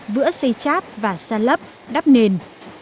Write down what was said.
vữa xây chát và sát lấp đắp nền